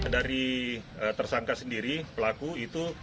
dari tersangka sendiri pelaku itu